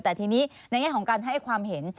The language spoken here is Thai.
แต่ทีนี้ในแง่ของการให้ความเห็น